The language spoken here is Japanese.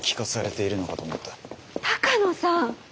鷹野さん。